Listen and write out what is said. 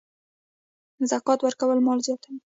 زکات ورکول مال زیاتوي.